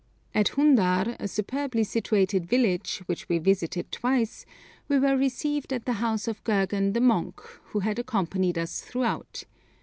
At Hundar, a superbly situated village, which we visited twice, we were received at the house of Gergan the monk, who had accompanied us throughout.